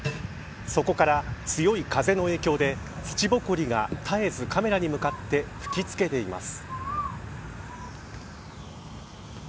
そこから強い風の影響で土ぼこりが絶えずカメラに向かって吹き付けています。